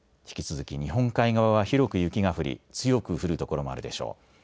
引き続き日本海側は広く雪が降り強く降る所もあるでしょう。